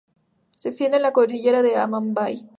Se extiende en la Cordillera del Amambay.